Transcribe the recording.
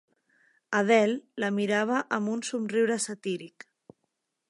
Adele la mirava amb un somriure satíric.